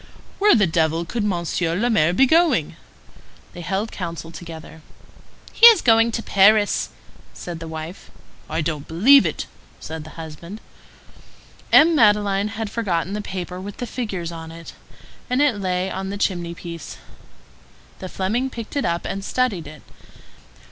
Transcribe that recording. "Where the devil could Monsieur le Maire be going?" They held counsel together. "He is going to Paris," said the wife. "I don't believe it," said the husband. M. Madeleine had forgotten the paper with the figures on it, and it lay on the chimney piece. The Fleming picked it up and studied it.